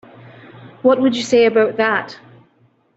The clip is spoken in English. What would you say about that?